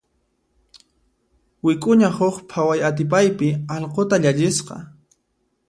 Wik'uña huk phaway atipaypi allquta llallisqa.